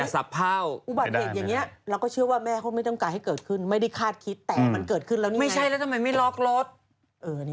ต่อชั่วโมงนะฮะไม่ได้เยอะนะ